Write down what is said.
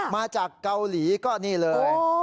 มาจากเกาหลีก็นี่เลย